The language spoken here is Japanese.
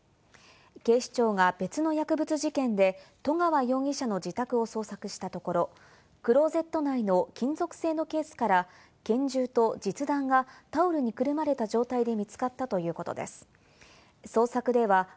警視庁が別の薬物事件で十川容疑者の自宅を捜索したところ、クロゼット内の金属製のケースから拳銃と実弾がタオルにくるまれ関東のお天気です。